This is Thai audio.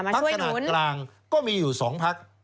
ขนาดกลางก็มีอยู่๒พัก